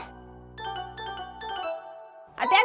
dek masuk dulu kemet